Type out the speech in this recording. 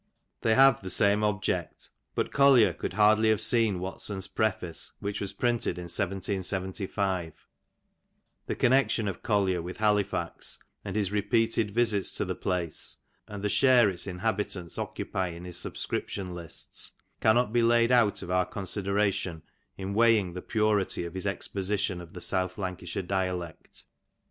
They have the same object, but Collier could hardly have seen Watson'^s preface, which was printed in 1775, The connection of Collier with Halifax, and his repeated visits to the place, and the share its inhabitants occupy in his sub scription lists, cannot be laid out of our consideration in weighing the purity of his exposition of the South Lancashire dialect.